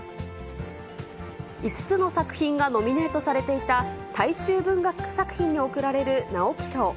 ５つの作品がノミネートされていた大衆文学作品に贈られる直木賞。